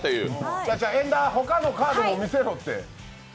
遠田、他のカードも見せろって！